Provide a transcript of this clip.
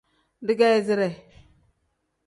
Digeezire.